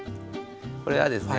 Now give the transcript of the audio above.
これはですね